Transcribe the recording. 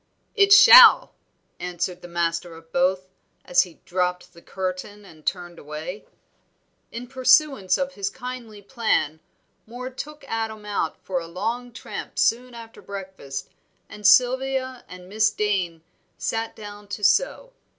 "It shall!" answered the master of both, as he dropped the curtain and turned away. In pursuance of his kindly plan, Moor took Adam out for a long tramp soon after breakfast, and Sylvia and Miss Dane sat down to sew.